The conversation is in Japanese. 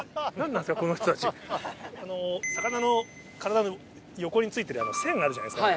魚の体の横についてる線あるじゃないですか。